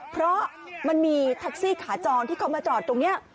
เพราะมันมีแท็กซี่ขาจรที่เขามาจอดตรงนี้